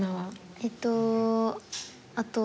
えっとあと２！